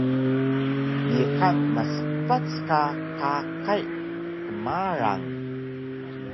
Niqan maspac ka qaqay kmarang